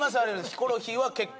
ヒコロヒーは結構。